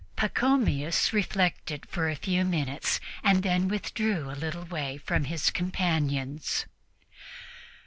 Pachomius reflected for a few minutes and then withdrew a little way from his companions.